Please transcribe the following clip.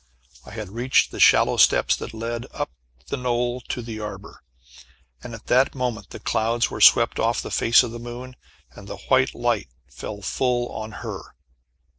I had reached the shallow steps that led up the knoll to the arbor! At that moment the clouds were swept off from the face of the moon, and the white light fell full on her.